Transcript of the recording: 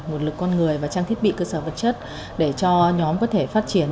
nguồn lực con người và trang thiết bị cơ sở vật chất để cho nhóm có thể phát triển